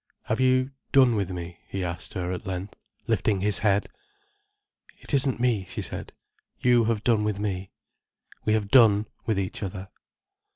"Have you done with me?" he asked her at length, lifting his head. "It isn't me," she said. "You have done with me—we have done with each other."